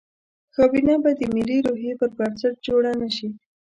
کابینه به د ملي روحیې پر بنسټ جوړه نه شي.